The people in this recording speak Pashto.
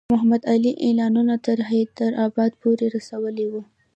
محمدعلي اعلانونه تر حیدرآباد پوري رسولي وو.